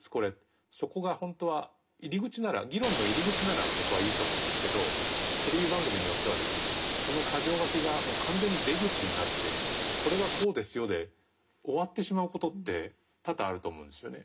そこがほんとは入り口なら議論の入り口なら僕はいいと思うんですけどテレビ番組によってはその箇条書きがもう完全に出口になって「これはこうですよ」で終わってしまうことって多々あると思うんですよね。